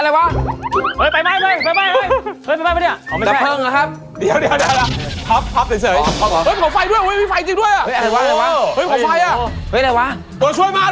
เฮ้ยไม่ยอมอย่างนี้